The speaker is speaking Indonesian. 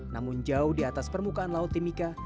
namun jauh di atas permukaan laut timika